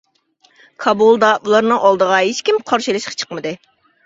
كابۇلدا ئۇلارنىڭ ئالدىغا ھېچكىم قارشى ئېلىشقا چىقمىدى.